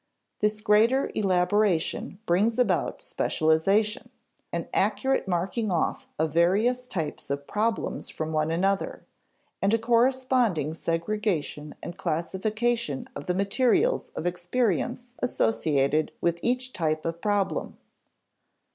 This greater elaboration brings about specialization, an accurate marking off of various types of problems from one another, and a corresponding segregation and classification of the materials of experience associated with each type of problem.